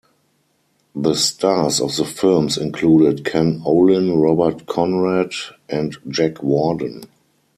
The stars of the films included Ken Olin, Robert Conrad, and Jack Warden.